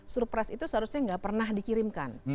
surat presiden itu seharusnya tidak pernah dikirimkan